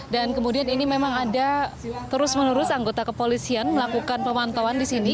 dan kemudian ini memang ada terus menerus anggota kepolisian melakukan pemantauan di sini